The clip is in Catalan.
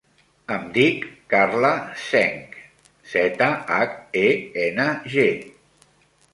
Em dic Carla Zheng: zeta, hac, e, ena, ge.